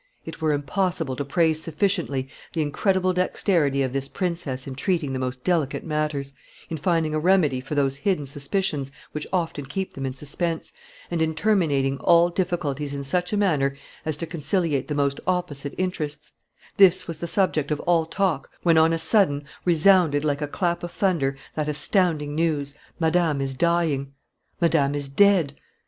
"It were impossible to praise sufficiently the incredible dexterity of this princess in treating the most delicate matters, in finding a remedy for those hidden suspicions which often keep them in suspense, and in terminating all difficulties in such a manner as to conciliate the most opposite interests; this was the subject of all talk, when on a sudden resounded, like a clap of thunder, that astounding news, Madame is dying! Madame is dead!